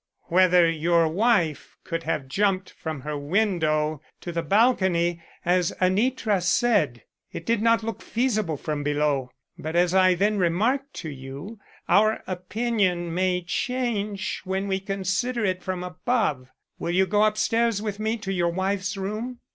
Whether your wife could have jumped from her window to the balcony, as Anitra said. It did not look feasible from below, but as I then remarked to you, our opinion may change when we consider it from above. Will you go up stairs with me to your wife's room?"